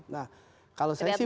nah kalau saya sih